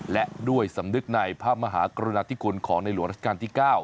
และด้วยสำนึกในพระมหากรุณาธิคุณของในหลวงราชการที่๙